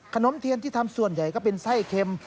ขนมเทียนที่ทำส่วนใหญ่ก็เป็นไส้เค็ม